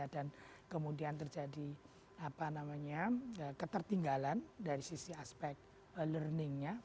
dan kemudian terjadi ketertinggalan dari sisi aspek learningnya